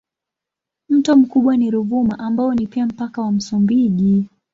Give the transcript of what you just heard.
Mto mkubwa ni Ruvuma ambao ni pia mpaka wa Msumbiji.